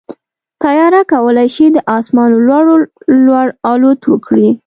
طیاره کولی شي د اسمان له لوړو لوړ الوت وکړي.